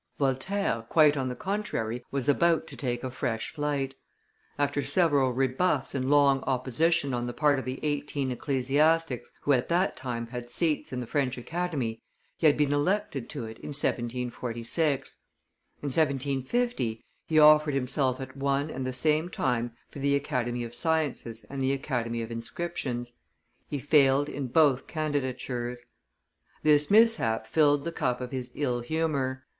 Voltaire, quite on the contrary, was about to take a fresh flight. After several rebuffs and long opposition on the part of the eighteen ecclesiastics who at that time had seats in the French Academy, he had been elected to it in 1746. In 1750, he offered himself at one and the same time for the Academy of Sciences and the Academy of Inscriptions; he failed in both candidatures. This mishap filled the cup of his ill humor.